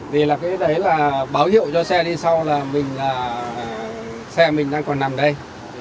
vì là cái đấy là báo hiệu cho xe đi sau là xe mình đang còn nằm đây